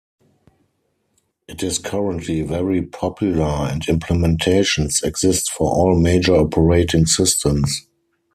It is currently very popular and implementations exist for all major operating systems.